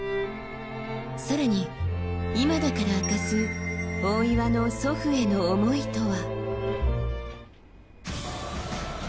更に、今だから明かす大岩の祖父への思いとは。